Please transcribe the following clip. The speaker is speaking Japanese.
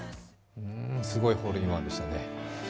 すごいホールインワンでしたね。